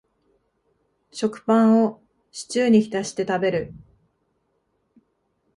食パンをシチューに浸して食べる